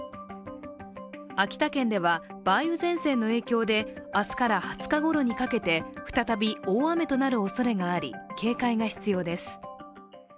秋田県では梅雨前線の影響で明日から２０日ごろにかけて再び大雨となるおそれがあり警戒が必要です。